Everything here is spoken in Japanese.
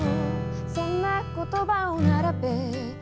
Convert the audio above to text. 「そんな言葉を並べ」